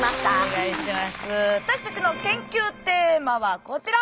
私たちの研究テーマはこちら！